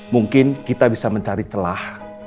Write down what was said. mungkin kita bisa mencari celah